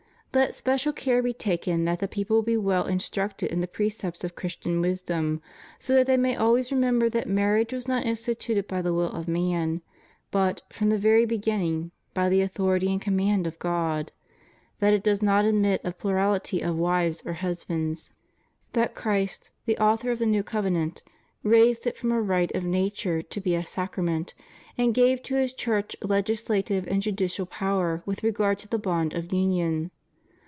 Let special care be taken that the people be well in structed in the precepts of Christian wisdom, so that they may always remember that marriage was not instituted by the wiU of man, but, from the ver}^ beginning, by the authority and command of God; that it does not admit of plurality of wives or husbands; that Christ, the 80 CHRISTIAN MARRIAGE. author of the New Covenant, raised it from a rite of nature to be a sacrament, and gave to His Church legis lative and judicial power with regard to the bond of union.